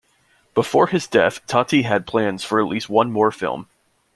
Before his death Tati had plans for at least one more film.